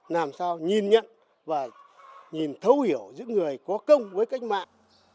làm sao nhìn nhận và nhìn thấu hiểu những người có công với cách mạng